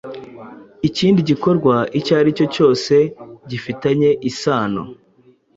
ikindi gikorwa icyo aricyo cyose gifitanye isano